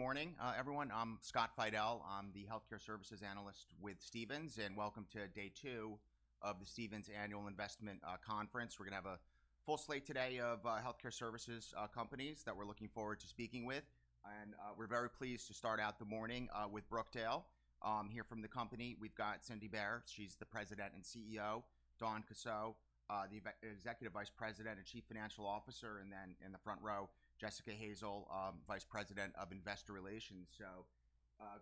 Good morning, everyone. I'm Scott Fidel. I'm the Healthcare Services Analyst with Stephens, and welcome to day two of the Stephens Annual Investment Conference. We're going to have a full slate today of healthcare services companies that we're looking forward to speaking with, and we're very pleased to start out the morning with Brookdale. Here from the company, we've got Cindy Baier. She's the President and CEO. Dawn Kussow, the Executive Vice President and Chief Financial Officer, and then in the front row, Jessica Hanson, Vice President of Investor Relations, so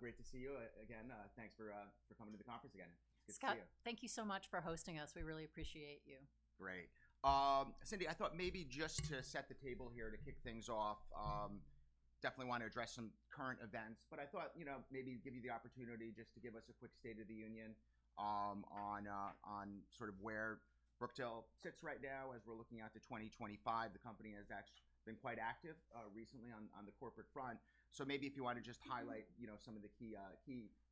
great to see you again. Thanks for coming to the conference again. It's good to see you. Scott, thank you so much for hosting us. We really appreciate you. Great. Cindy, I thought maybe just to set the table here to kick things off, definitely want to address some current events. But I thought, you know, maybe give you the opportunity just to give us a quick State of the Union on sort of where Brookdale sits right now as we're looking out to 2025. The company has actually been quite active recently on the corporate front. So maybe if you want to just highlight, you know, some of the key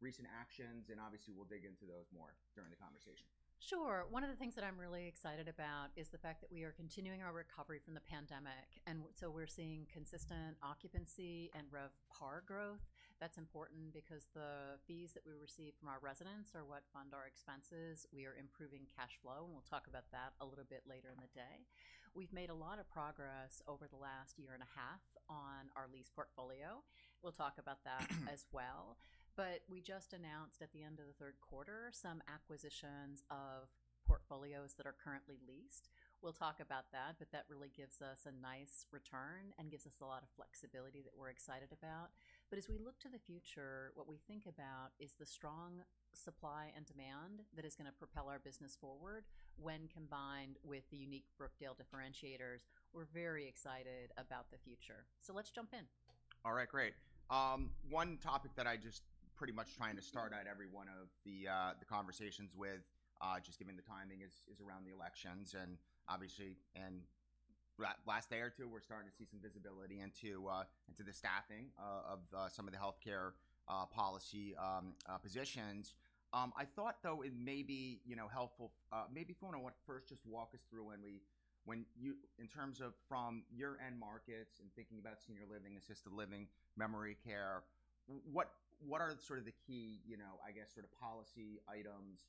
recent actions, and obviously we'll dig into those more during the conversation. Sure. One of the things that I'm really excited about is the fact that we are continuing our recovery from the pandemic, and so we're seeing consistent occupancy and RevPAR growth. That's important because the fees that we receive from our residents are what fund our expenses. We are improving cash flow, and we'll talk about that a little bit later in the day. We've made a lot of progress over the last year and a half on our lease portfolio. We'll talk about that as well, but we just announced at the end of the third quarter some acquisitions of portfolios that are currently leased. We'll talk about that, but that really gives us a nice return and gives us a lot of flexibility that we're excited about. But as we look to the future, what we think about is the strong supply and demand that is going to propel our business forward when combined with the unique Brookdale differentiators. We're very excited about the future. So let's jump in. All right, great. One topic that I just pretty much trying to start out every one of the conversations with, just given the timing, is around the elections. And obviously, in the last day or two, we're starting to see some visibility into the staffing of some of the healthcare policy positions. I thought, though, it may be helpful, maybe if you want to first just walk us through, when we, in terms of from your end markets and thinking about senior living, assisted living, memory care, what are sort of the key, you know, I guess, sort of policy items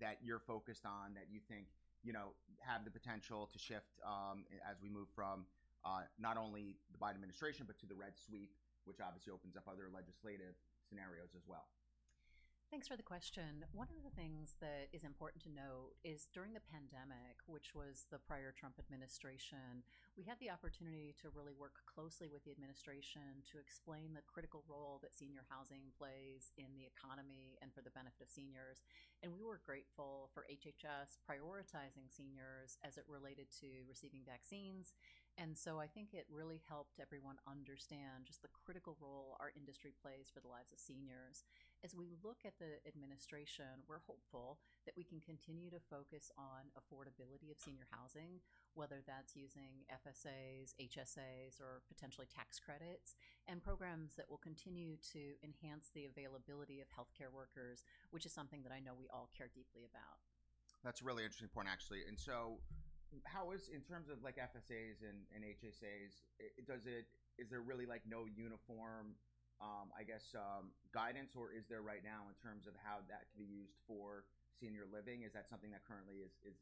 that you're focused on that you think, you know, have the potential to shift as we move from not only the Biden administration, but to the red sweep, which obviously opens up other legislative scenarios as well? Thanks for the question. One of the things that is important to note is during the pandemic, which was the prior Trump administration, we had the opportunity to really work closely with the administration to explain the critical role that senior housing plays in the economy and for the benefit of seniors. And we were grateful for HHS prioritizing seniors as it related to receiving vaccines. And so I think it really helped everyone understand just the critical role our industry plays for the lives of seniors. As we look at the administration, we're hopeful that we can continue to focus on affordability of senior housing, whether that's using FSAs, HSAs, or potentially tax credits and programs that will continue to enhance the availability of healthcare workers, which is something that I know we all care deeply about. That's a really interesting point, actually. And so how is, in terms of like FSAs and HSAs, is there really like no uniform, I guess, guidance, or is there right now in terms of how that can be used for senior living? Is that something that currently is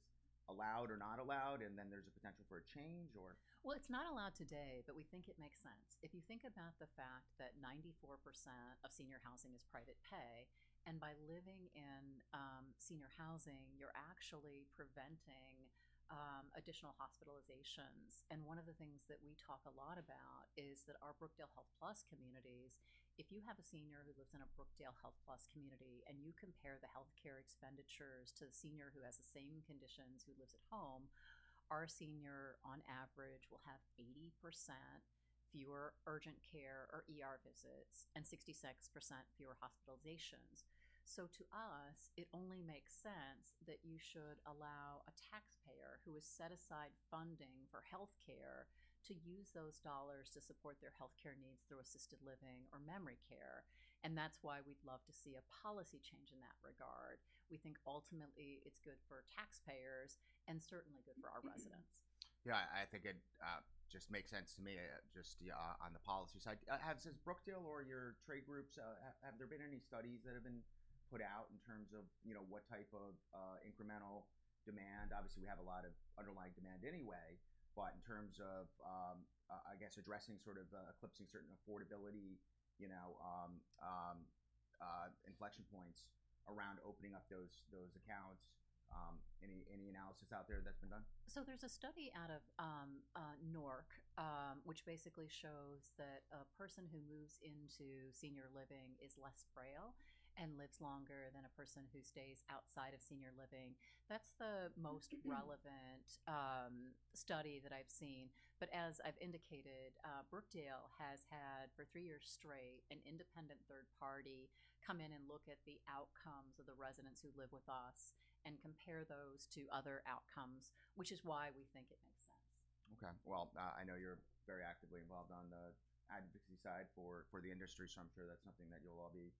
allowed or not allowed? And then there's a potential for a change, or? It's not allowed today, but we think it makes sense. If you think about the fact that 94% of senior housing is private pay, and by living in senior housing, you're actually preventing additional hospitalizations. One of the things that we talk a lot about is that our Brookdale HealthPlus communities, if you have a senior who lives in a Brookdale HealthPlus community and you compare the healthcare expenditures to the senior who has the same conditions who lives at home, our senior on average will have 80% fewer urgent care or ER visits and 66% fewer hospitalizations. To us, it only makes sense that you should allow a taxpayer who has set aside funding for healthcare to use those dollars to support their healthcare needs through assisted living or memory care. That's why we'd love to see a policy change in that regard. We think ultimately it's good for taxpayers and certainly good for our residents. Yeah, I think it just makes sense to me just on the policy side. Has Brookdale or your trade groups, have there been any studies that have been put out in terms of, you know, what type of incremental demand? Obviously, we have a lot of underlying demand anyway, but in terms of, I guess, addressing sort of eclipsing certain affordability, you know, inflection points around opening up those accounts, any analysis out there that's been done? So there's a study out of NORC, which basically shows that a person who moves into senior living is less frail and lives longer than a person who stays outside of senior living. That's the most relevant study that I've seen. But as I've indicated, Brookdale has had for three years straight an independent third party come in and look at the outcomes of the residents who live with us and compare those to other outcomes, which is why we think it makes sense. Okay. Well, I know you're very actively involved on the advocacy side for the industry, so I'm sure that's something that you'll all be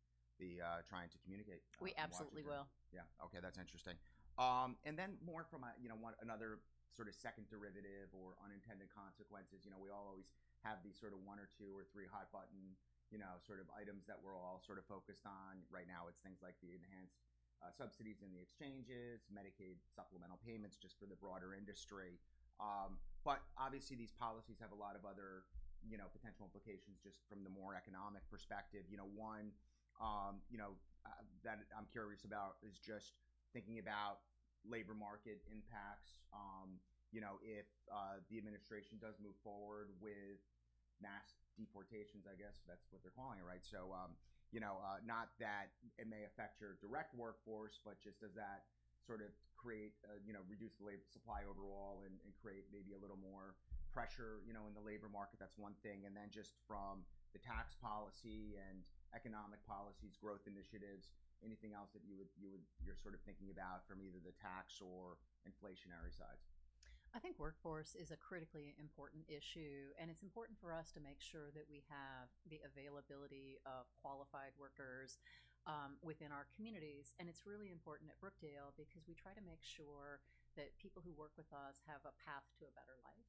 trying to communicate. We absolutely will. Yeah. Okay. That's interesting, and then more from, you know, another sort of second derivative or unintended consequences. You know, we all always have these sort of one or two or three hot button, you know, sort of items that we're all sort of focused on. Right now it's things like the enhanced subsidies in the exchanges, Medicaid supplemental payments just for the broader industry, but obviously these policies have a lot of other, you know, potential implications just from the more economic perspective. You know, one, you know, that I'm curious about is just thinking about labor market impacts, you know, if the administration does move forward with mass deportations, I guess that's what they're calling it, right? So, you know, not that it may affect your direct workforce, but just does that sort of create, you know, reduce the labor supply overall and create maybe a little more pressure, you know, in the labor market? That's one thing. And then just from the tax policy and economic policies, growth initiatives, anything else that you would, you're sort of thinking about from either the tax or inflationary sides? I think workforce is a critically important issue, and it's important for us to make sure that we have the availability of qualified workers within our communities, and it's really important at Brookdale because we try to make sure that people who work with us have a path to a better life.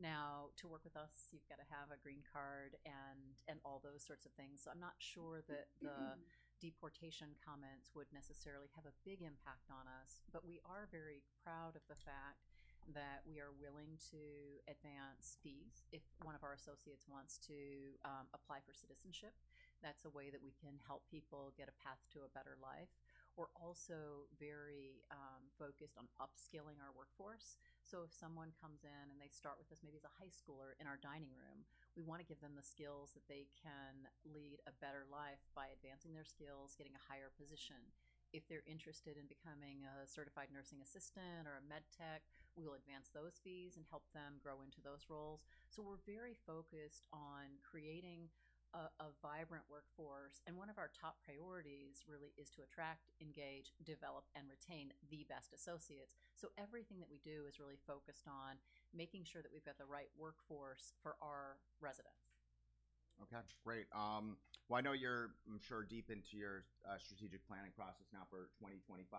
Now, to work with us, you've got to have a green card and all those sorts of things, so I'm not sure that the deportation comments would necessarily have a big impact on us, but we are very proud of the fact that we are willing to advance fees if one of our associates wants to apply for citizenship. That's a way that we can help people get a path to a better life. We're also very focused on upskilling our workforce. So if someone comes in and they start with us, maybe as a high schooler in our dining room, we want to give them the skills that they can lead a better life by advancing their skills, getting a higher position. If they're interested in becoming a certified nursing assistant or a med tech, we'll advance those fees and help them grow into those roles. So we're very focused on creating a vibrant workforce. And one of our top priorities really is to attract, engage, develop, and retain the best associates. So everything that we do is really focused on making sure that we've got the right workforce for our residents. Okay. Great. Well, I know you're, I'm sure, deep into your strategic planning process now for 2025.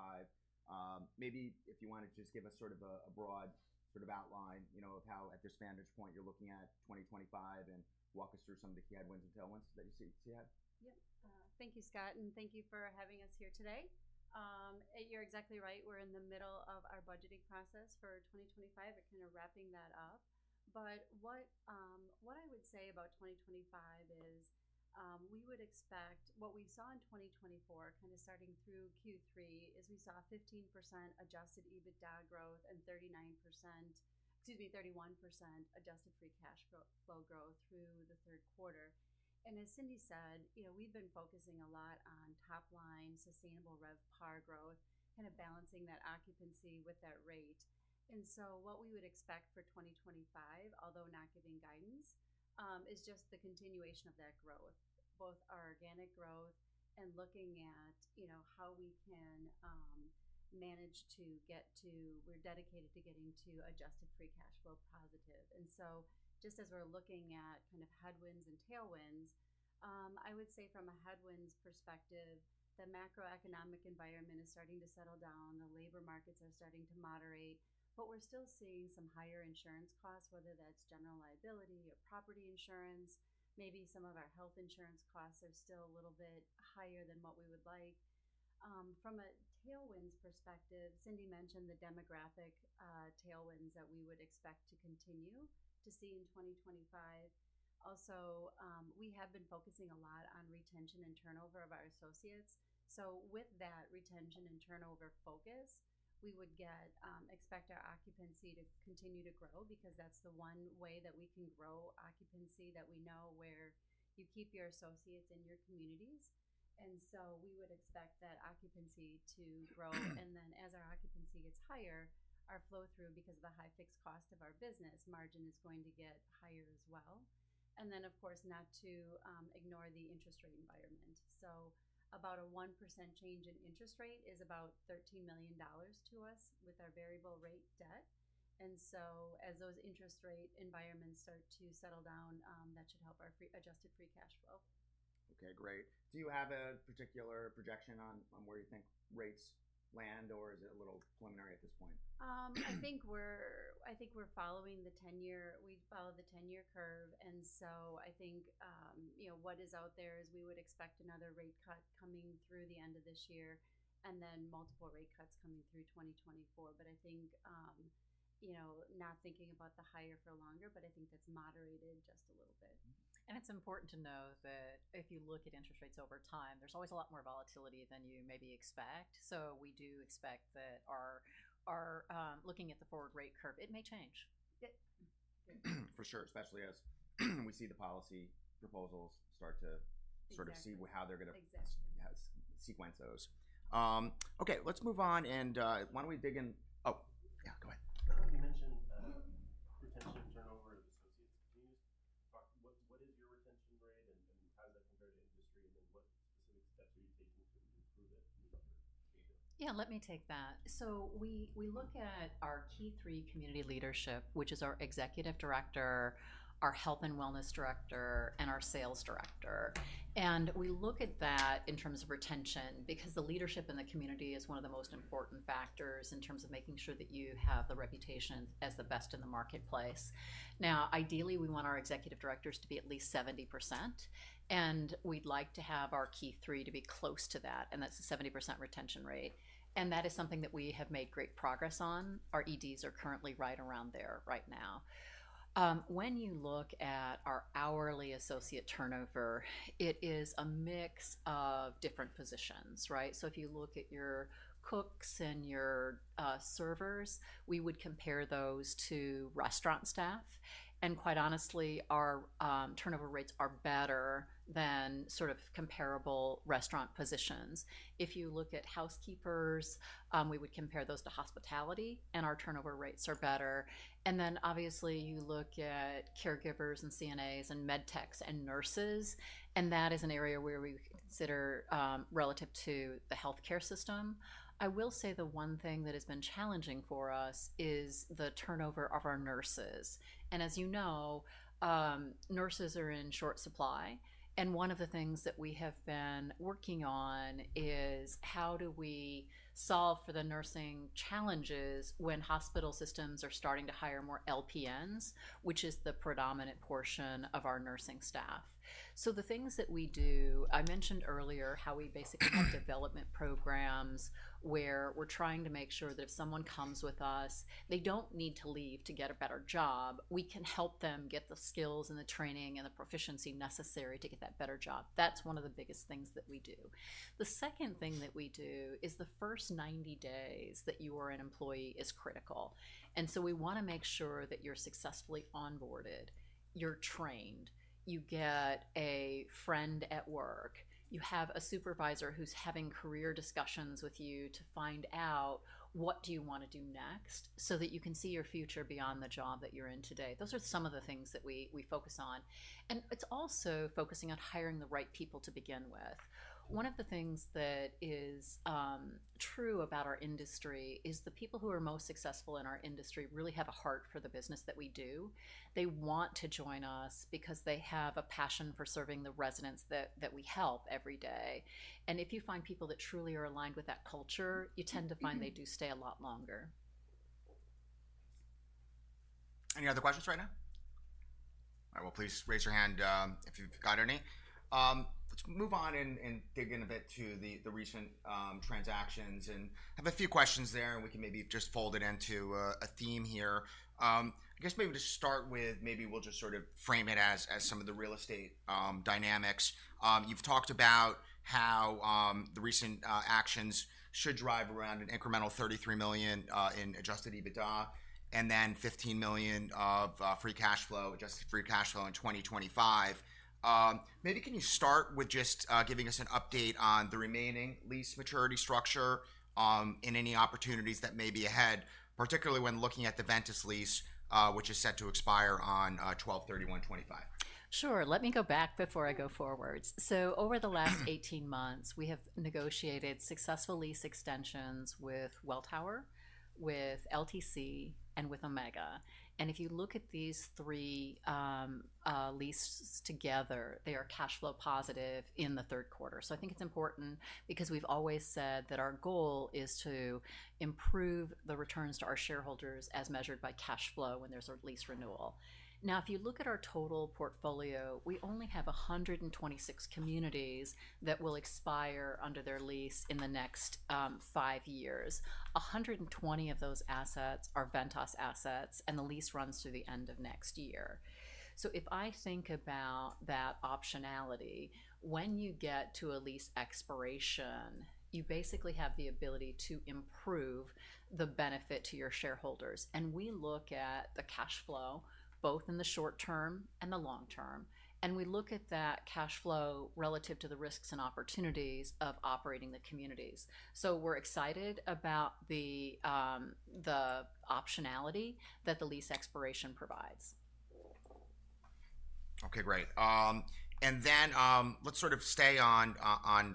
Maybe if you want to just give us sort of a broad sort of outline, you know, of how at this vantage point you're looking at 2025 and walk us through some of the key headwinds and tailwinds that you see ahead. Yep. Thank you, Scott, and thank you for having us here today. You're exactly right. We're in the middle of our budgeting process for 2025, kind of wrapping that up. But what I would say about 2025 is we would expect what we saw in 2024, kind of starting through Q3, is we saw 15% adjusted EBITDA growth and 39%, excuse me, 31% adjusted free cash flow growth through the third quarter. And as Cindy said, you know, we've been focusing a lot on top line sustainable RevPAR growth, kind of balancing that occupancy with that rate. And so what we would expect for 2025, although not giving guidance, is just the continuation of that growth, both our organic growth and looking at, you know, how we can manage to get to, we're dedicated to getting to adjusted free cash flow positive. Just as we're looking at kind of headwinds and tailwinds, I would say from a headwinds perspective, the macroeconomic environment is starting to settle down. The labor markets are starting to moderate, but we're still seeing some higher insurance costs, whether that's general liability or property insurance. Maybe some of our health insurance costs are still a little bit higher than what we would like. From a tailwinds perspective, Cindy mentioned the demographic tailwinds that we would expect to continue to see in 2025. Also, we have been focusing a lot on retention and turnover of our associates. So with that retention and turnover focus, we would expect our occupancy to continue to grow because that's the one way that we can grow occupancy that we know where you keep your associates in your communities. We would expect that occupancy to grow. And then as our occupancy gets higher, our flow through because of the high fixed cost of our business margin is going to get higher as well. And then, of course, not to ignore the interest rate environment. So about a 1% change in interest rate is about $13 million to us with our variable rate debt. And so as those interest rate environments start to settle down, that should help our adjusted free cash flow. Okay, great. Do you have a particular projection on where you think rates land, or is it a little preliminary at this point? I think we're following the 10-year. We follow the 10-year curve. And so I think, you know, what is out there is we would expect another rate cut coming through the end of this year and then multiple rate cuts coming through 2024. But I think, you know, not thinking about the higher for longer, but I think that's moderated just a little bit. It's important to know that if you look at interest rates over time, there's always a lot more volatility than you maybe expect. We do expect that our looking at the forward rate curve, it may change. For sure, especially as we see the policy proposals start to sort of see how they're going to sequence those. Okay, let's move on, and why don't we dig in? Oh, yeah, go ahead. You mentioned retention turnover of associates. Can you just talk about what is your retention rate and how does that compare to industry? And then what specific steps are you taking to improve it? Yeah, let me take that. So we look at our key three community leadership, which is our Executive Director, our Health and Wellness Director, and our Sales Director. And we look at that in terms of retention because the leadership in the community is one of the most important factors in terms of making sure that you have the reputation as the best in the marketplace. Now, ideally, we want our Executive Directors to be at least 70%, and we'd like to have our key three to be close to that. And that's a 70% retention rate. And that is something that we have made great progress on. Our EDs are currently right around there right now. When you look at our hourly associate turnover, it is a mix of different positions, right? So if you look at your cooks and your servers, we would compare those to restaurant staff. And quite honestly, our turnover rates are better than sort of comparable restaurant positions. If you look at housekeepers, we would compare those to hospitality, and our turnover rates are better. And then obviously you look at caregivers and CNAs and med techs and nurses, and that is an area where we consider relative to the healthcare system. I will say the one thing that has been challenging for us is the turnover of our nurses. And as you know, nurses are in short supply. And one of the things that we have been working on is how do we solve for the nursing challenges when hospital systems are starting to hire more LPNs, which is the predominant portion of our nursing staff. So the things that we do, I mentioned earlier how we basically have development programs where we're trying to make sure that if someone comes with us, they don't need to leave to get a better job. We can help them get the skills and the training and the proficiency necessary to get that better job. That's one of the biggest things that we do. The second thing that we do is the first 90 days that you are an employee is critical. And so we want to make sure that you're successfully onboarded, you're trained, you get a friend at work, you have a supervisor who's having career discussions with you to find out what do you want to do next so that you can see your future beyond the job that you're in today. Those are some of the things that we focus on. It's also focusing on hiring the right people to begin with. One of the things that is true about our industry is the people who are most successful in our industry really have a heart for the business that we do. They want to join us because they have a passion for serving the residents that we help every day. If you find people that truly are aligned with that culture, you tend to find they do stay a lot longer. Any other questions right now? All right. Well, please raise your hand if you've got any. Let's move on and dig in a bit to the recent transactions and have a few questions there, and we can maybe just fold it into a theme here. I guess maybe to start with, maybe we'll just sort of frame it as some of the real estate dynamics. You've talked about how the recent actions should drive around an incremental $33 million in adjusted EBITDA and then $15 million of adjusted free cash flow in 2025. Maybe can you start with just giving us an update on the remaining lease maturity structure and any opportunities that may be ahead, particularly when looking at the Ventas lease, which is set to expire on 12/31/2025? Sure. Let me go back before I go forwards. So over the last 18 months, we have negotiated successful lease extensions with Welltower, with LTC, and with Omega. And if you look at these three leases together, they are cash flow positive in the third quarter. So I think it's important because we've always said that our goal is to improve the returns to our shareholders as measured by cash flow when there's a lease renewal. Now, if you look at our total portfolio, we only have 126 communities that will expire under their lease in the next five years. 120 of those assets are Ventas assets, and the lease runs through the end of next year. So if I think about that optionality, when you get to a lease expiration, you basically have the ability to improve the benefit to your shareholders. We look at the cash flow both in the short term and the long term. We look at that cash flow relative to the risks and opportunities of operating the communities. We're excited about the optionality that the lease expiration provides. Okay, great. And then let's sort of stay on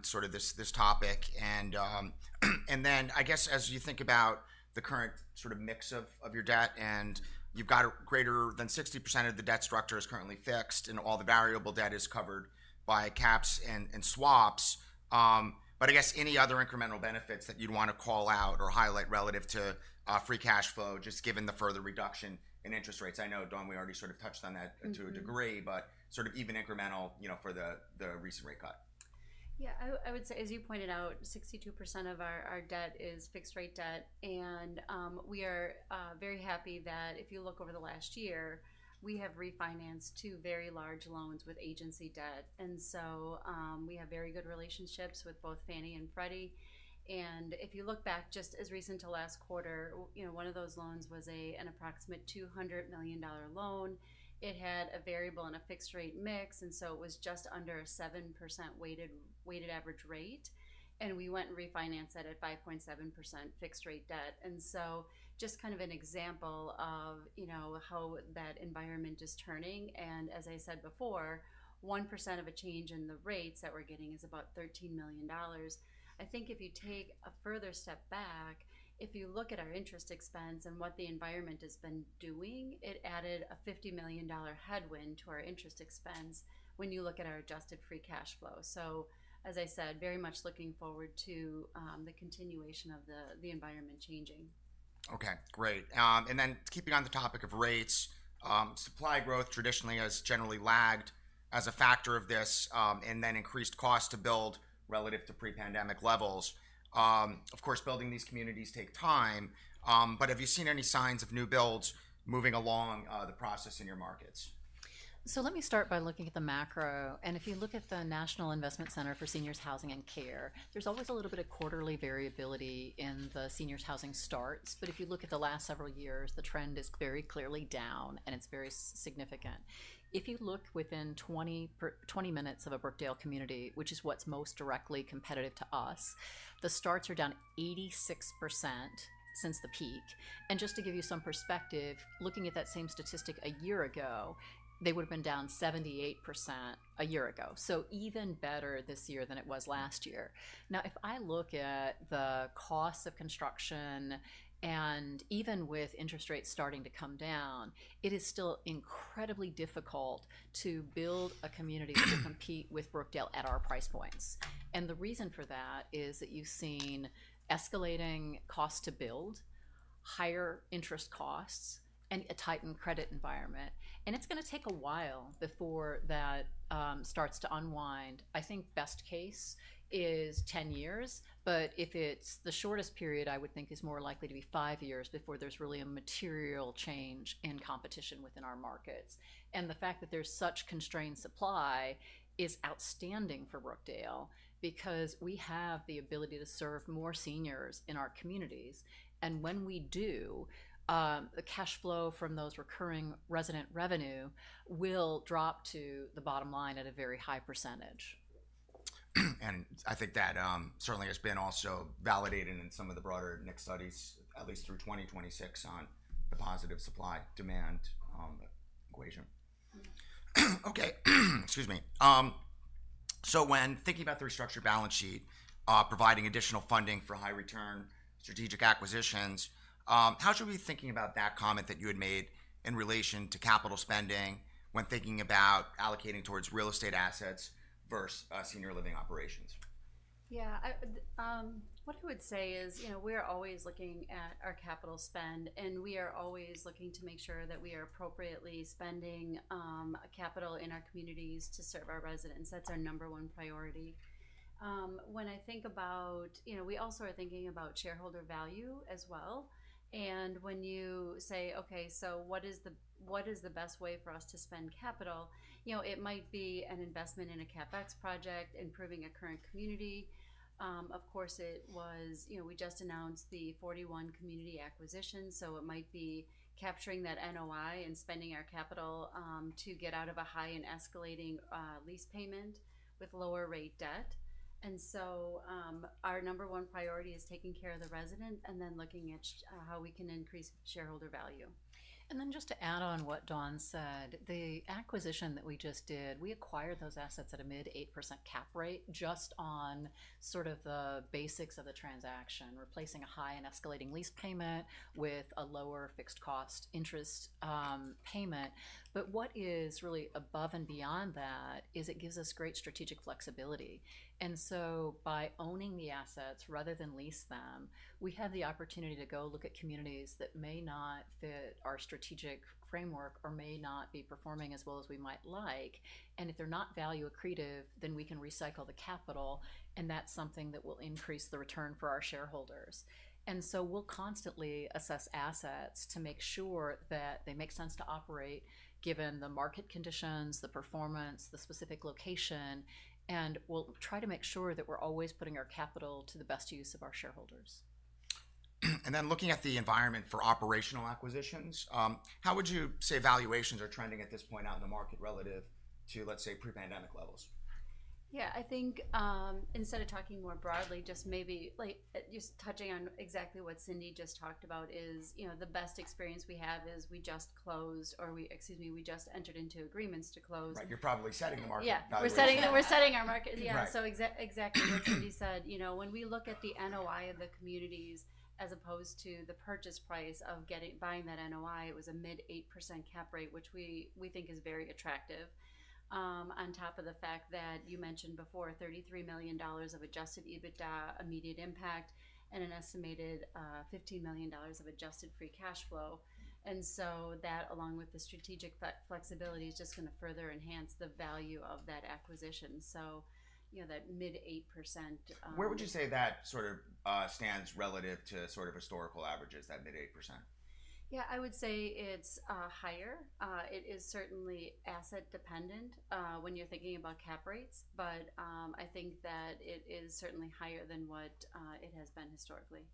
sort of this topic. And then I guess as you think about the current sort of mix of your debt and you've got a greater than 60% of the debt structure is currently fixed and all the variable debt is covered by caps and swaps. But I guess any other incremental benefits that you'd want to call out or highlight relative to free cash flow, just given the further reduction in interest rates? I know, Dawn, we already sort of touched on that to a degree, but sort of even incremental, you know, for the recent rate cut. Yeah, I would say, as you pointed out, 62% of our debt is fixed rate debt, and we are very happy that if you look over the last year, we have refinanced two very large loans with agency debt, and so we have very good relationships with both Fannie and Freddie. If you look back just as recently as last quarter, you know, one of those loans was an approximate $200 million loan. It had a variable and a fixed rate mix, and so it was just under a 7% weighted average rate, and we went and refinanced at a 5.7% fixed rate debt, and so just kind of an example of, you know, how that environment is turning, and as I said before, 1% of a change in the rates that we're getting is about $13 million. I think if you take a further step back, if you look at our interest expense and what the environment has been doing, it added a $50 million headwind to our interest expense when you look at our adjusted free cash flow. So as I said, very much looking forward to the continuation of the environment changing. Okay, great. And then keeping on the topic of rates, supply growth traditionally has generally lagged as a factor of this and then increased cost to build relative to pre-pandemic levels. Of course, building these communities takes time. But have you seen any signs of new builds moving along the process in your markets? So let me start by looking at the macro. And if you look at the National Investment Center for Seniors Housing and Care, there's always a little bit of quarterly variability in the seniors housing starts. But if you look at the last several years, the trend is very clearly down and it's very significant. If you look within 20 minutes of a Brookdale community, which is what's most directly competitive to us, the starts are down 86% since the peak. And just to give you some perspective, looking at that same statistic a year ago, they would have been down 78% a year ago. So even better this year than it was last year. Now, if I look at the cost of construction and even with interest rates starting to come down, it is still incredibly difficult to build a community to compete with Brookdale at our price points. And the reason for that is that you've seen escalating cost to build, higher interest costs, and a tightened credit environment. And it's going to take a while before that starts to unwind. I think best case is 10 years, but if it's the shortest period, I would think is more likely to be five years before there's really a material change in competition within our markets. And the fact that there's such constrained supply is outstanding for Brookdale because we have the ability to serve more seniors in our communities. And when we do, the cash flow from those recurring resident revenue will drop to the bottom line at a very high percentage. I think that certainly has been also validated in some of the broader NIC studies at least through 2026 on the positive supply demand equation. Okay, excuse me. When thinking about the restructured balance sheet, providing additional funding for high return strategic acquisitions, how should we be thinking about that comment that you had made in relation to capital spending when thinking about allocating towards real estate assets versus senior living operations? Yeah, what I would say is, you know, we're always looking at our capital spend and we are always looking to make sure that we are appropriately spending capital in our communities to serve our residents. That's our number one priority. When I think about, you know, we also are thinking about shareholder value as well. And when you say, okay, so what is the best way for us to spend capital, you know, it might be an investment in a CapEx project, improving a current community. Of course, it was, you know, we just announced the 41 community acquisitions. So it might be capturing that NOI and spending our capital to get out of a high and escalating lease payment with lower rate debt. And so our number one priority is taking care of the resident and then looking at how we can increase shareholder value. And then, just to add on what Dawn said, the acquisition that we just did—we acquired those assets at a mid-8% cap rate, just on sort of the basics of the transaction, replacing a high and escalating lease payment with a lower fixed cost interest payment. But what is really above and beyond that is it gives us great strategic flexibility. And so, by owning the assets rather than lease them, we have the opportunity to go look at communities that may not fit our strategic framework or may not be performing as well as we might like. And if they're not value accretive, then we can recycle the capital. And that's something that will increase the return for our shareholders. And so, we'll constantly assess assets to make sure that they make sense to operate given the market conditions, the performance, the specific location. We'll try to make sure that we're always putting our capital to the best use of our shareholders. Looking at the environment for operational acquisitions, how would you say valuations are trending at this point out in the market relative to, let's say, pre-pandemic levels? Yeah, I think instead of talking more broadly, just maybe like just touching on exactly what Cindy just talked about is, you know, the best experience we have is we just closed or we, excuse me, we just entered into agreements to close. Right. You're probably setting the market. Yeah, we're setting our market. Yeah. So exactly what Cindy said, you know, when we look at the NOI of the communities as opposed to the purchase price of getting or buying that NOI, it was a mid-8% cap rate, which we think is very attractive on top of the fact that you mentioned before $33 million of adjusted EBITDA immediate impact and an estimated $15 million of adjusted free cash flow. And so that along with the strategic flexibility is just going to further enhance the value of that acquisition. So, you know, that mid-8%. Where would you say that sort of stands relative to sort of historical averages, that mid-8%? Yeah, I would say it's higher. It is certainly asset dependent when you're thinking about cap rates, but I think that it is certainly higher than what it has been historically.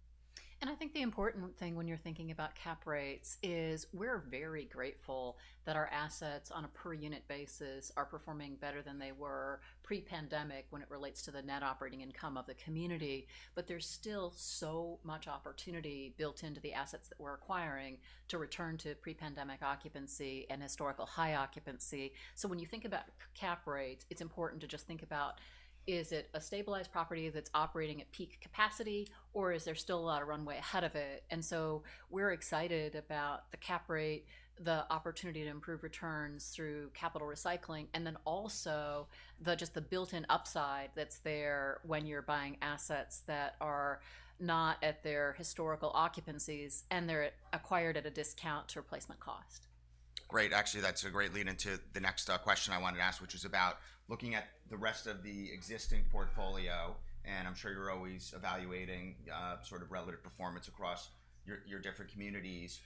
I think the important thing when you're thinking about cap rates is we're very grateful that our assets on a per unit basis are performing better than they were pre-pandemic when it relates to the net operating income of the community. There's still so much opportunity built into the assets that we're acquiring to return to pre-pandemic occupancy and historical high occupancy. When you think about cap rates, it's important to just think about is it a stabilized property that's operating at peak capacity or is there still a lot of runway ahead of it? We're excited about the cap rate, the opportunity to improve returns through capital recycling, and then also just the built-in upside that's there when you're buying assets that are not at their historical occupancies and they're acquired at a discount to replacement cost. Great. Actually, that's a great lead into the next question I wanted to ask, which was about looking at the rest of the existing portfolio, and I'm sure you're always evaluating sort of relative performance across your different communities.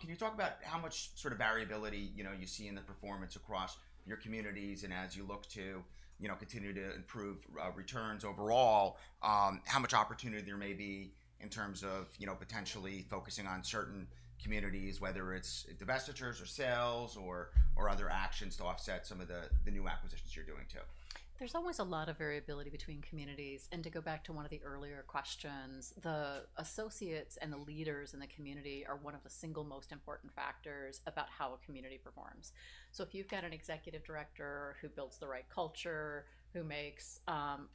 Can you talk about how much sort of variability, you know, you see in the performance across your communities, and as you look to, you know, continue to improve returns overall, how much opportunity there may be in terms of, you know, potentially focusing on certain communities, whether it's divestitures or sales or other actions to offset some of the new acquisitions you're doing too? There's always a lot of variability between communities. And to go back to one of the earlier questions, the associates and the leaders in the community are one of the single most important factors about how a community performs. So if you've got an Executive Director who builds the right culture, who makes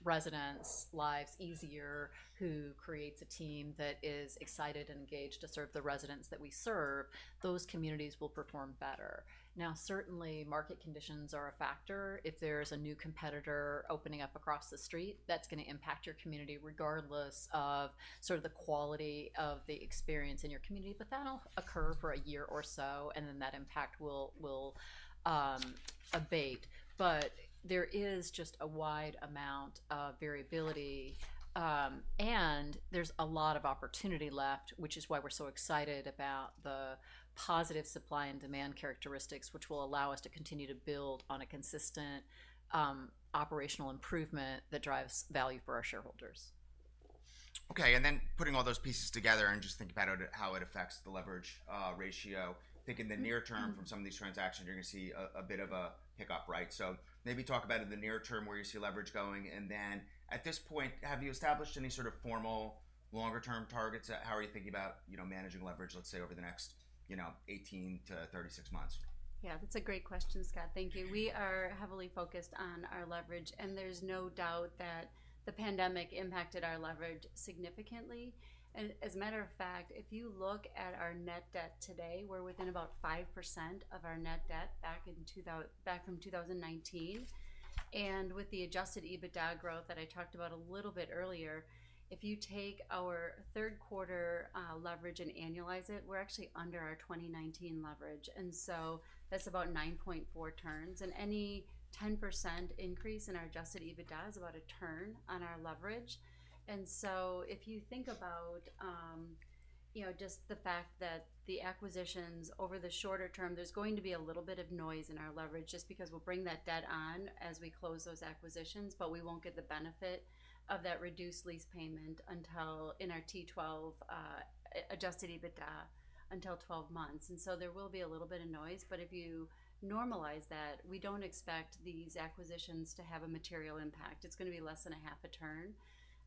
residents' lives easier, who creates a team that is excited and engaged to serve the residents that we serve, those communities will perform better. Now, certainly market conditions are a factor. If there's a new competitor opening up across the street, that's going to impact your community regardless of sort of the quality of the experience in your community. But that'll occur for a year or so, and then that impact will abate. But there is just a wide amount of variability, and there's a lot of opportunity left, which is why we're so excited about the positive supply and demand characteristics, which will allow us to continue to build on a consistent operational improvement that drives value for our shareholders. Okay. And then putting all those pieces together and just think about how it affects the leverage ratio, think in the near term from some of these transactions, you're going to see a bit of a hiccup, right? So maybe talk about in the near term where you see leverage going. And then at this point, have you established any sort of formal longer term targets? How are you thinking about, you know, managing leverage, let's say over the next, you know, 18 to 36 months? Yeah, that's a great question, Scott. Thank you. We are heavily focused on our leverage, and there's no doubt that the pandemic impacted our leverage significantly. As a matter of fact, if you look at our net debt today, we're within about 5% of our net debt back from 2019. And with the adjusted EBITDA growth that I talked about a little bit earlier, if you take our third quarter leverage and annualize it, we're actually under our 2019 leverage. And so that's about 9.4 turns. And any 10% increase in our adjusted EBITDA is about a turn on our leverage. And so if you think about, you know, just the fact that the acquisitions over the shorter term, there's going to be a little bit of noise in our leverage just because we'll bring that debt on as we close those acquisitions, but we won't get the benefit of that reduced lease payment until in our T12 adjusted EBITDA until 12 months. And so there will be a little bit of noise, but if you normalize that, we don't expect these acquisitions to have a material impact. It's going to be less than half a turn.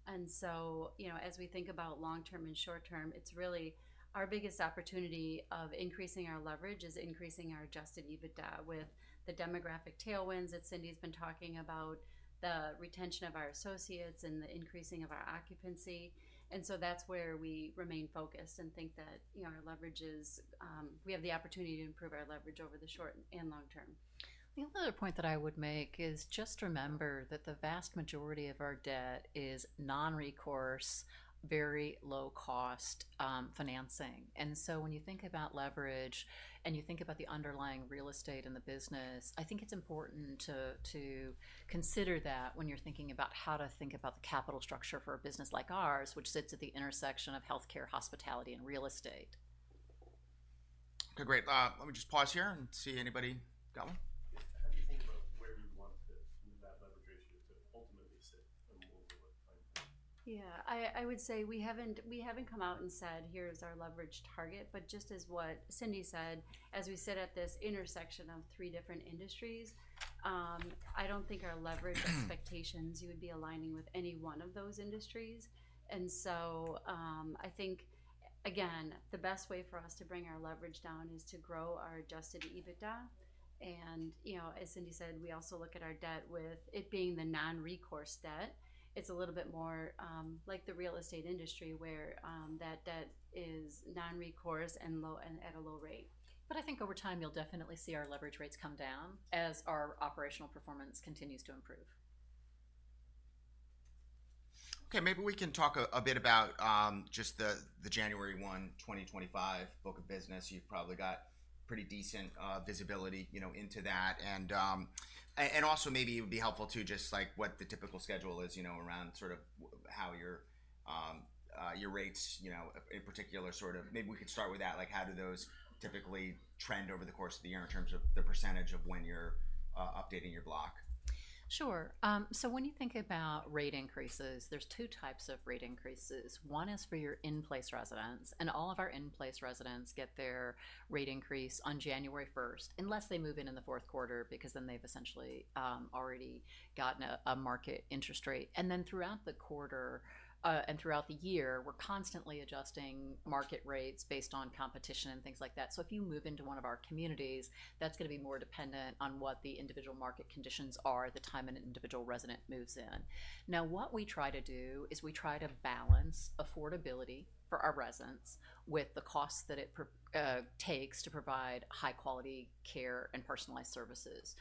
And so, you know, as we think about long term and short term, it's really our biggest opportunity of increasing our leverage is increasing our adjusted EBITDA with the demographic tailwinds that Cindy's been talking about, the retention of our associates and the increasing of our occupancy. That's where we remain focused and think that, you know, our leverage is we have the opportunity to improve our leverage over the short and long term. The other point that I would make is just remember that the vast majority of our debt is non-recourse, very low cost financing, and so when you think about leverage and you think about the underlying real estate in the business, I think it's important to consider that when you're thinking about how to think about the capital structure for a business like ours, which sits at the intersection of healthcare, hospitality, and real estate. Okay, great. Let me just pause here and see anybody got one? How do you think about where you want to move that leverage ratio to ultimately sit at a more low? Yeah, I would say we haven't come out and said, here's our leverage target. But just as Cindy said, as we sit at this intersection of three different industries, I don't think our leverage expectations would be aligning with any one of those industries. And so I think, again, the best way for us to bring our leverage down is to grow our adjusted EBITDA. And, you know, as Cindy said, we also look at our debt with it being the non-recourse debt. It's a little bit more like the real estate industry where that debt is non-recourse and at a low rate. But I think over time you'll definitely see our leverage rates come down as our operational performance continues to improve. Okay, maybe we can talk a bit about just the January 1, 2025 book of business. You've probably got pretty decent visibility, you know, into that. And also maybe it would be helpful to just like what the typical schedule is, you know, around sort of how your rates, you know, in particular sort of maybe we could start with that, like how do those typically trend over the course of the year in terms of the percentage of when you're updating your block? Sure, so when you think about rate increases, there's two types of rate increases. One is for your in-place residents, and all of our in-place residents get their rate increase on January 1st unless they move in in the fourth quarter because then they've essentially already gotten a market interest rate, and then throughout the quarter and throughout the year, we're constantly adjusting market rates based on competition and things like that, so if you move into one of our communities, that's going to be more dependent on what the individual market conditions are, the time an individual resident moves in. Now, what we try to do is we try to balance affordability for our residents with the costs that it takes to provide high quality care and personalized services.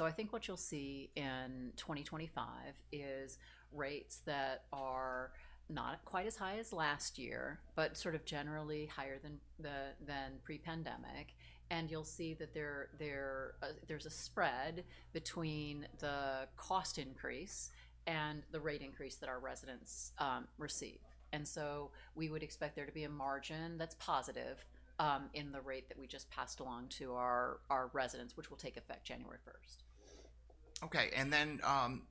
I think what you'll see in 2025 is rates that are not quite as high as last year, but sort of generally higher than pre-pandemic. You'll see that there's a spread between the cost increase and the rate increase that our residents receive. We would expect there to be a margin that's positive in the rate that we just passed along to our residents, which will take effect January 1st. Okay. And then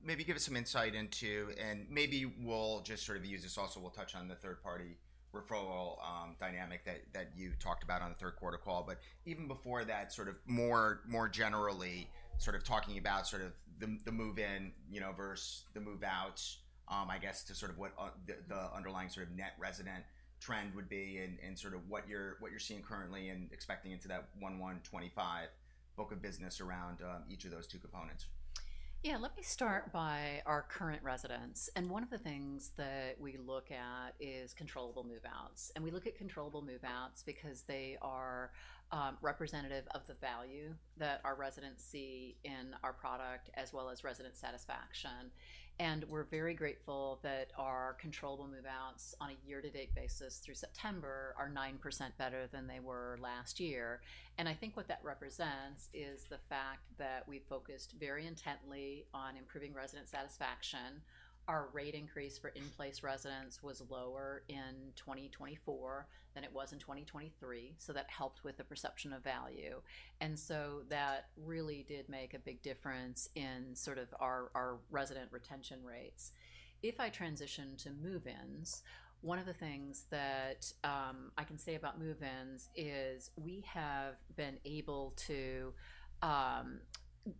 maybe give us some insight into, and maybe we'll just sort of use this also. We'll touch on the third party referral dynamic that you talked about on the third quarter call. But even before that, sort of more generally sort of talking about sort of the move in, you know, versus the move out, I guess to sort of what the underlying sort of net resident trend would be and sort of what you're seeing currently and expecting into that 1/1/2025 book of business around each of those two components. Yeah, let me start with our current residents. One of the things that we look at is controllable move-outs. We look at controllable move-outs because they are representative of the value that our residents see in our product as well as resident satisfaction. We're very grateful that our controllable move-outs on a year-to-date basis through September are 9% better than they were last year. I think what that represents is the fact that we focused very intently on improving resident satisfaction. Our rate increase for in-place residents was lower in 2024 than it was in 2023. That helped with the perception of value. That really did make a big difference in sort of our resident retention rates. If I transition to move-ins, one of the things that I can say about move-ins is we have been able to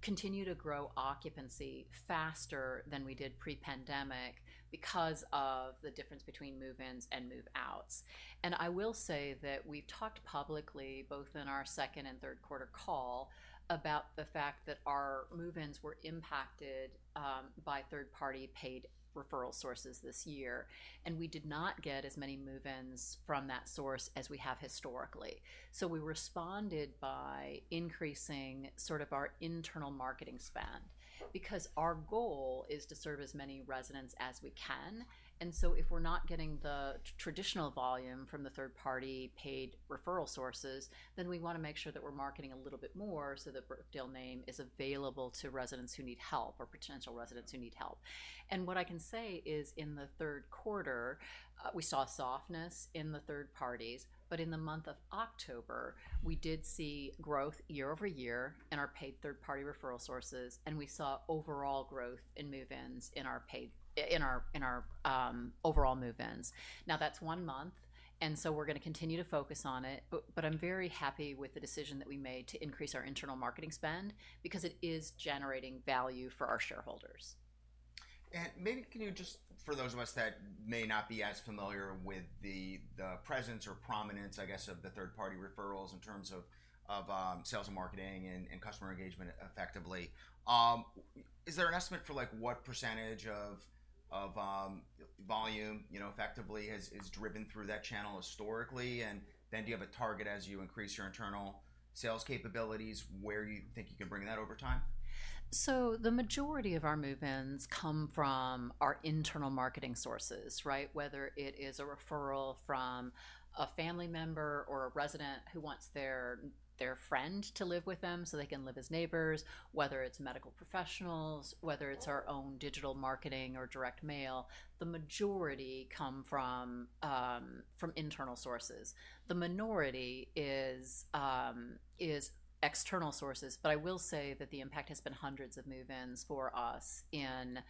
continue to grow occupancy faster than we did pre-pandemic because of the difference between move-ins and move-outs, and I will say that we've talked publicly both in our second and third quarter call about the fact that our move-ins were impacted by third party paid referral sources this year. And we did not get as many move-ins from that source as we have historically, so we responded by increasing sort of our internal marketing spend because our goal is to serve as many residents as we can. And so if we're not getting the traditional volume from the third party paid referral sources, then we want to make sure that we're marketing a little bit more so that Brookdale name is available to residents who need help or potential residents who need help. And what I can say is in the third quarter, we saw softness in the third parties, but in the month of October, we did see growth year over year in our paid third party referral sources, and we saw overall growth in move-ins in our overall move-ins. Now that's one month, and so we're going to continue to focus on it, but I'm very happy with the decision that we made to increase our internal marketing spend because it is generating value for our shareholders. And maybe can you just, for those of us that may not be as familiar with the presence or prominence, I guess, of the third party referrals in terms of sales and marketing and customer engagement effectively, is there an estimate for like what percentage of volume, you know, effectively has driven through that channel historically? And then do you have a target as you increase your internal sales capabilities where you think you can bring that over time? The majority of our move-ins come from our internal marketing sources, right? Whether it is a referral from a family member or a resident who wants their friend to live with them so they can live as neighbors, whether it's medical professionals, whether it's our own digital marketing or direct mail, the majority come from internal sources. The minority is external sources, but I will say that the impact has been hundreds of move-ins for us in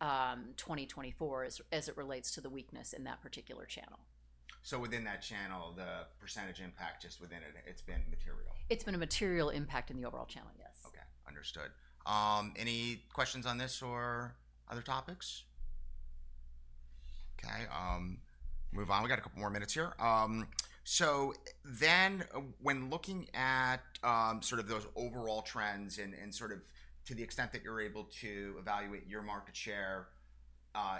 2024 as it relates to the weakness in that particular channel. So within that channel, the percentage impact just within it, it's been material? It's been a material impact in the overall channel, yes. Okay, understood. Any questions on this or other topics? Okay, move on. We got a couple more minutes here. So then when looking at sort of those overall trends and sort of to the extent that you're able to evaluate your market share,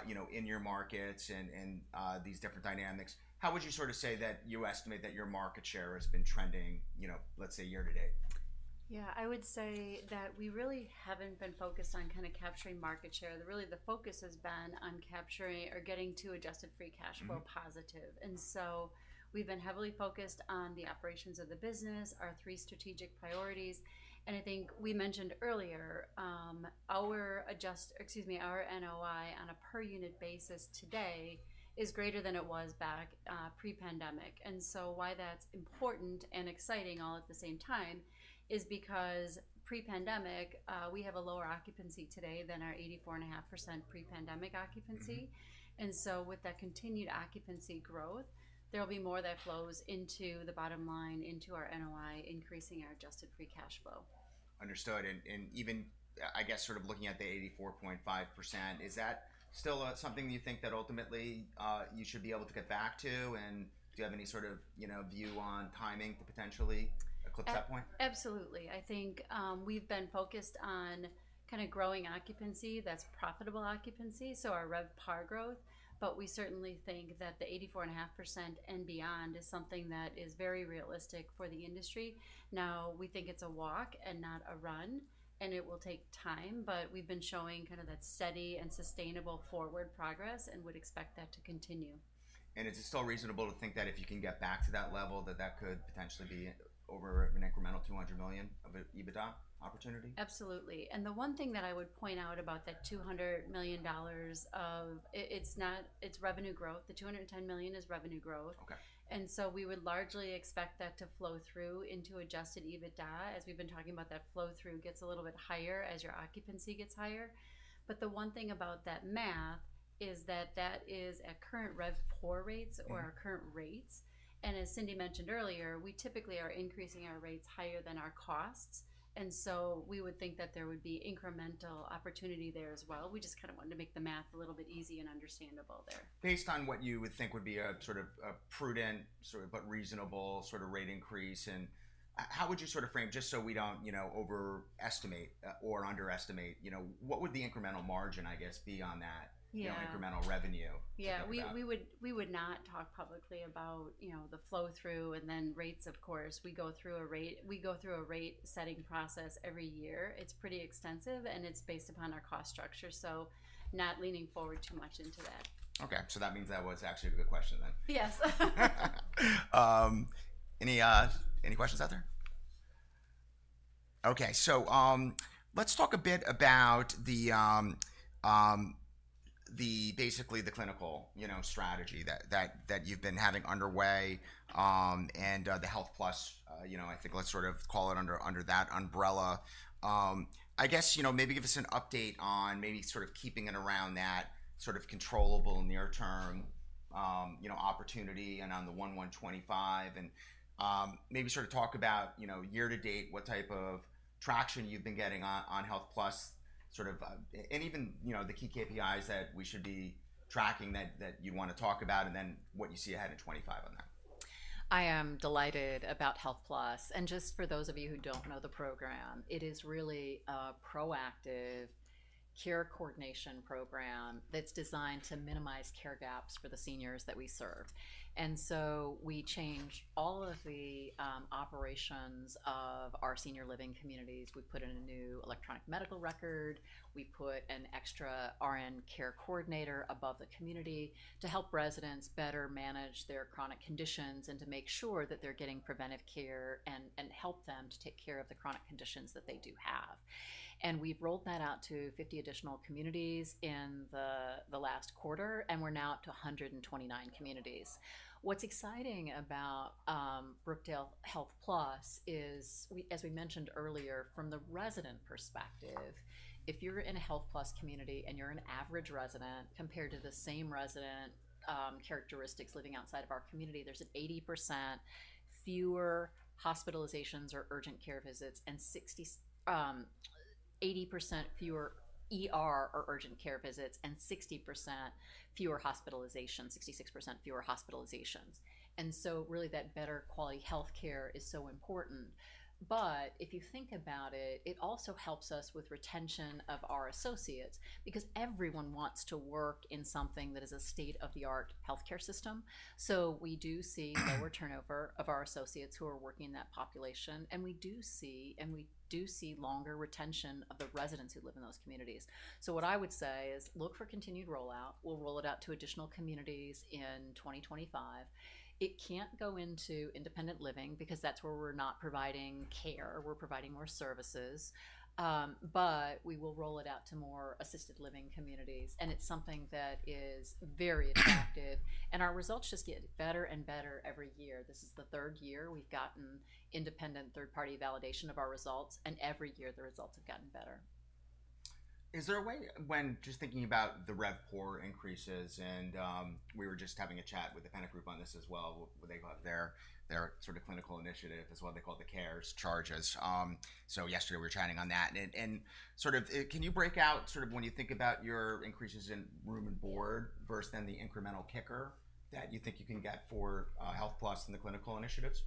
you know, in your markets and these different dynamics, how would you sort of say that you estimate that your market share has been trending, you know, let's say year to date? Yeah, I would say that we really haven't been focused on kind of capturing market share. Really, the focus has been on capturing or getting to adjusted free cash flow positive. And so we've been heavily focused on the operations of the business, our three strategic priorities. And I think we mentioned earlier, our adjust, excuse me, our NOI on a per unit basis today is greater than it was back pre-pandemic. And so why that's important and exciting all at the same time is because pre-pandemic, we have a lower occupancy today than our 84.5% pre-pandemic occupancy. And so with that continued occupancy growth, there will be more that flows into the bottom line, into our NOI, increasing our adjusted free cash flow. Understood. And even, I guess, sort of looking at the 84.5%, is that still something you think that ultimately you should be able to get back to? And do you have any sort of, you know, view on timing to potentially eclipse that point? Absolutely. I think we've been focused on kind of growing occupancy that's profitable occupancy, so our RevPAR growth. But we certainly think that the 84.5% and beyond is something that is very realistic for the industry. Now, we think it's a walk and not a run, and it will take time, but we've been showing kind of that steady and sustainable forward progress and would expect that to continue. Is it still reasonable to think that if you can get back to that level, that that could potentially be over an incremental $200 million of an EBITDA opportunity? Absolutely. And the one thing that I would point out about that $200 million of its revenue growth. The $210 million is revenue growth. And so we would largely expect that to flow through into adjusted EBITDA, as we've been talking about, that flow through gets a little bit higher as your occupancy gets higher. But the one thing about that math is that that is at current RevPAR rates or our current rates. And as Cindy mentioned earlier, we typically are increasing our rates higher than our costs. And so we would think that there would be incremental opportunity there as well. We just kind of wanted to make the math a little bit easy and understandable there. Based on what you would think would be a sort of a prudent, sort of but reasonable sort of rate increase, and how would you sort of frame, just so we don't, you know, overestimate or underestimate, you know, what would the incremental margin, I guess, be on that, you know, incremental revenue? Yeah, we would not talk publicly about, you know, the flow through and then rates, of course. We go through a rate setting process every year. It's pretty extensive and it's based upon our cost structure. So not leaning forward too much into that. Okay. So that means that was actually a good question then. Yes. Any questions out there? Okay. So let's talk a bit about basically the clinical, you know, strategy that you've been having underway and the HealthPlus, you know, I think let's sort of call it under that umbrella. I guess, you know, maybe give us an update on maybe sort of keeping it around that sort of controllable near term, you know, opportunity and on the 1/1/2025 and maybe sort of talk about, you know, year to date, what type of traction you've been getting on HealthPlus sort of and even, you know, the key KPIs that we should be tracking that you'd want to talk about and then what you see ahead in 2025 on that. I am delighted about HealthPlus. And just for those of you who don't know the program, it is really a proactive care coordination program that's designed to minimize care gaps for the seniors that we serve. And so we change all of the operations of our senior living communities. We put in a new electronic medical record. We put an extra RN care coordinator above the community to help residents better manage their chronic conditions and to make sure that they're getting preventive care and help them to take care of the chronic conditions that they do have. And we've rolled that out to 50 additional communities in the last quarter, and we're now up to 129 communities. What's exciting about Brookdale HealthPlus is, as we mentioned earlier, from the resident perspective, if you're in a HealthPlus community and you're an average resident compared to the same resident characteristics living outside of our community, there's 80% fewer ER or urgent care visits and 60% fewer hospitalizations, 66% fewer hospitalizations. So really that better quality healthcare is so important. If you think about it, it also helps us with retention of our associates because everyone wants to work in something that is a state-of-the-art healthcare system. We do see lower turnover of our associates who are working in that population. We do see longer retention of the residents who live in those communities. What I would say is look for continued rollout. We'll roll it out to additional communities in 2025. It can't go into independent living because that's where we're not providing care. We're providing more services. But we will roll it out to more assisted living communities. And it's something that is very attractive. And our results just get better and better every year. This is the third year we've gotten independent third-party validation of our results. And every year the results have gotten better. Is there a way when just thinking about the RevPAR increases and we were just having a chat with the kind of group on this as well, they call it their sort of clinical initiative as well. They call it the cares charges. So yesterday we were chatting on that. And sort of can you break out sort of when you think about your increases in room and board versus then the incremental kicker that you think you can get for HealthPlus and the clinical initiatives?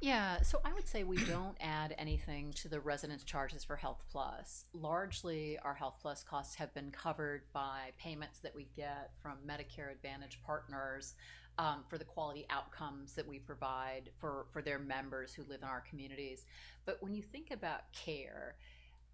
Yeah, so I would say we don't add anything to the residents' charges for HealthPlus. Largely, our HealthPlus costs have been covered by payments that we get from Medicare Advantage partners for the quality outcomes that we provide for their members who live in our communities, but when you think about care,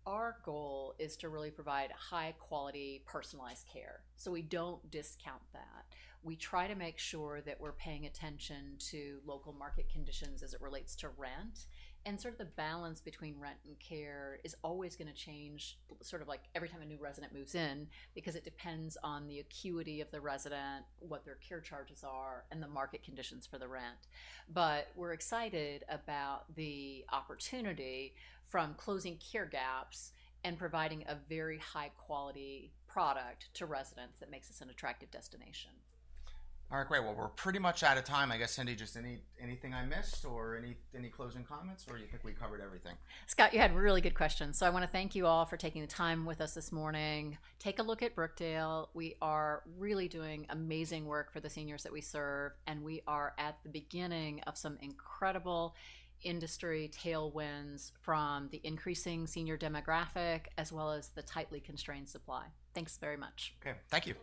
our goal is to really provide high quality personalized care, so we don't discount that. We try to make sure that we're paying attention to local market conditions as it relates to rent, and sort of the balance between rent and care is always going to change sort of like every time a new resident moves in because it depends on the acuity of the resident, what their care charges are, and the market conditions for the rent. But we're excited about the opportunity from closing care gaps and providing a very high quality product to residents that makes us an attractive destination. All right, great. Well, we're pretty much out of time. I guess, Cindy, just anything I missed or any closing comments or you think we covered everything? Scott, you had really good questions, so I want to thank you all for taking the time with us this morning. Take a look at Brookdale. We are really doing amazing work for the seniors that we serve, and we are at the beginning of some incredible industry tailwinds from the increasing senior demographic as well as the tightly constrained supply. Thanks very much. Okay, thank you.